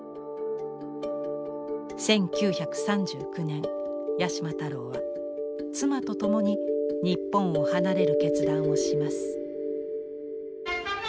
１９３９年八島太郎は妻と共に日本を離れる決断をします。